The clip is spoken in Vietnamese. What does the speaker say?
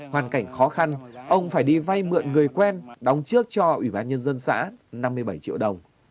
hoàn cảnh khó khăn ông phải đi vay mượn người quen đóng trước cho ủy ban nhân dân xã năm mươi bảy triệu đồng